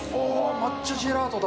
抹茶ジェラートだ。